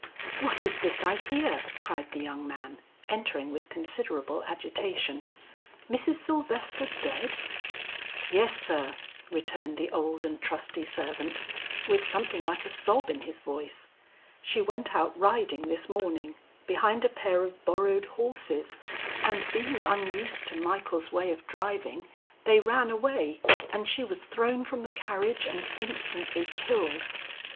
"What is this I hear?" cried the young man, entering with considerable agitation, "Mrs. Sylvester dead?" "Yes sir," returned the old and trusty servant, with something like a sob in his voice. "She went out riding this morning behind a pair of borrowed horses and being unused to Michael's way of driving, they ran away and she was thrown from the carriage and instantly killed."